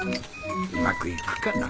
うまく行くかな？